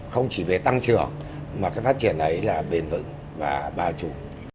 không chỉ về tăng trưởng mà cái phát triển ấy là bền vững và bao trù